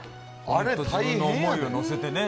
自分の思いを乗せてね。